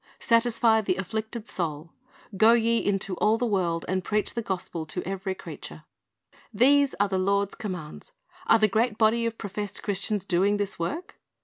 "Satisfy the afflicted soul." "Go ye into all the world, and preach the gospel to every creature."^ These are the Lord's commands. Are the great body of professed Christians doing this work ?